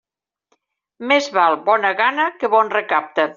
Més val bona gana que bon recapte.